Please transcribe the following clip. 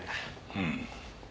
うん。